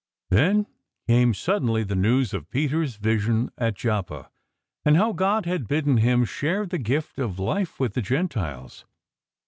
Then came suddenly the news of Peter s vision at Joppa, and how God had ^bidden him share the gift of life with the Gentiles.